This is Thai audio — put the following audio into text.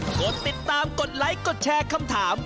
กดติดตามกดไลค์กดแชร์คำถาม